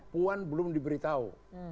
puan belum diberitahu